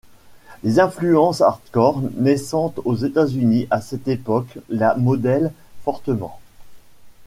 Les influences hardcore naissantes aux États-Unis à cette époque la modèlent fortement.